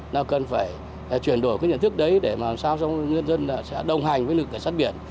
là cần phải chuyển đổi cái nhận thức đấy để làm sao cho ngư dân sẽ đồng hành với lực cảnh sát biển